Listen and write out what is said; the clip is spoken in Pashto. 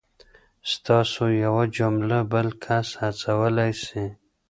ستاسو یوه جمله بل کس هڅولی سي.